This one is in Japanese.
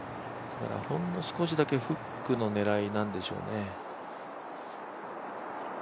ほんの少しだけフックの狙いなんでしょうね。